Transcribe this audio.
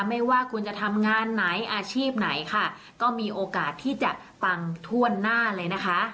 ไม่ว่าคุณจะทำงานไหนอาชีพไหนค่ะก็มีโอกาสที่จะปังทั่วหน้าเลยนะคะ